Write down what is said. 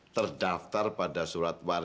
terdaftar pada surat wajahnya